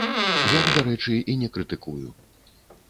Як, дарэчы, і не крытыкую.